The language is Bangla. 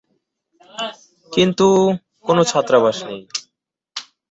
কিন্তু কোন ছাত্রাবাস নেই।